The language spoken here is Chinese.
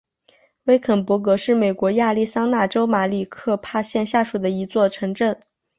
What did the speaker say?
威肯勃格是美国亚利桑那州马里科帕县下属的一座城镇。